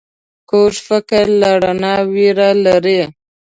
کوږ فکر له رڼا ویره لري